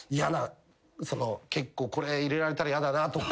結構これ入れられたら嫌だなとか。